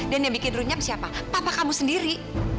dan yang bikin runyam siapa papa kamu sendiri